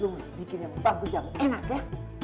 lu harus bikin yang bagus yang enak ya